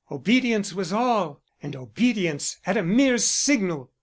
Obedience was all, and obedience at a mere signal!